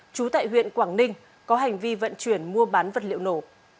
trú tại huyện quảng ninh có hành vi vận chuyển mua bán vật liệu nổ